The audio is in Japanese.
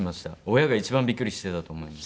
親が一番ビックリしてたと思います。